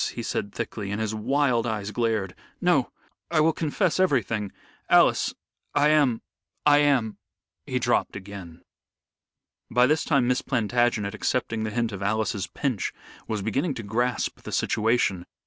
he said thickly, and his wild eyes glared. "No. I will confess everything. Alice, I am I am " He dropped again. By this time Miss Plantagenet, accepting the hint of Alice's pinch, was beginning to grasp the situation.